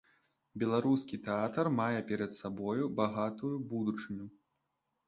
Беларускі тэатр мае перад сабою багатую будучыню.